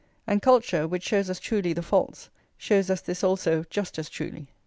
And culture, which shows us truly the faults, shows us this also just as truly.